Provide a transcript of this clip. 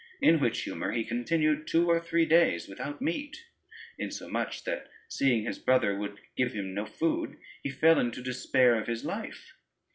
In which humor he continued two or three days without meat, insomuch that seeing his brother would give him no food, he fell into despair of his life.